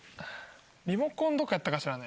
リモコンどこやったかしらね？